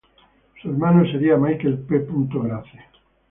Su hermano sería Michael P. Grace.